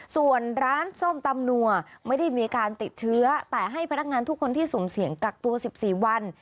ส่วนร้านส้มตำนัวไม่ได้มีการติดเชื้อแต่ให้พนักงานทุกคนที่สุ่มเสี่ยงกักตัว๑๔วัน